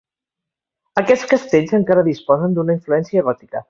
Aquests castells encara disposen d'una influència gòtica.